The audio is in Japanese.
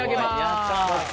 やった。